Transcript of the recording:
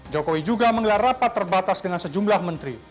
jokowi juga menggelar rapat terbatas dengan sejumlah menteri